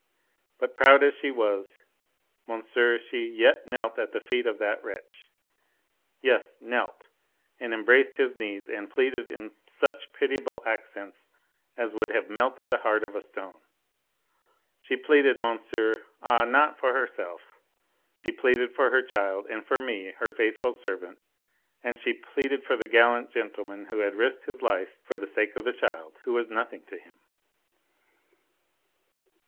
But proud as she was, monsieur, she yet knelt at the feet of that wretch. Yes, knelt, and embraced his knees and pleaded in such pitiable accents as would have melted the heart of a stone. She pleaded, monsieur ah, not for herself. She pleaded for her child and for me, her faithful servant, and she pleaded for the gallant gentleman who had risked his life for the sake of the child, who was nothing to him.